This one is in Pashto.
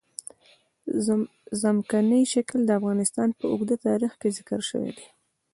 ځمکنی شکل د افغانستان په اوږده تاریخ کې ذکر شوې ده.